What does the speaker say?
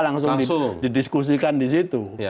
langsung didiskusikan di situ